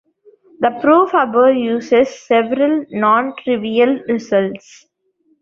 The proof above uses several non-trivial results.